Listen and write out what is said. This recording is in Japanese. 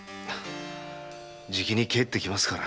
じきに帰ってきますから。